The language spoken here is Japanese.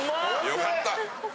よかった！